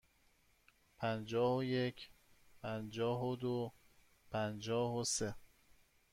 پنجاه و یک، پنجاه و دو، پنجاه و سه.